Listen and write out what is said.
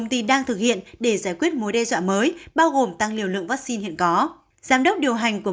để giải quyết mối đe dọa mới bao gồm tăng liều lượng vaccine hiện có giám đốc điều hành của